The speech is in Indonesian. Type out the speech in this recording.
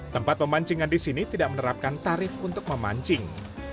tempat pemancingan di sini tidak menerapkan tarif untuk memancing